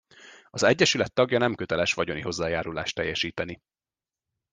Az egyesület tagja nem köteles vagyoni hozzájárulást teljesíteni.